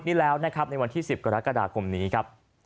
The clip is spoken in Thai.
ในวันพุธนี่แล้วในวันที่๑๐กรกฎคลักษณ์นี้ครับ